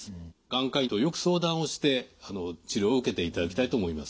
眼科医とよく相談をして治療を受けていただきたいと思います。